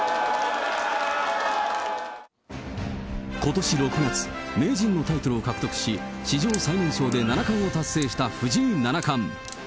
ことし６月、名人のタイトルを獲得し、史上最年少で七冠を達成した藤井七冠。